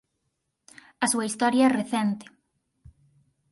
A súa historia é recente.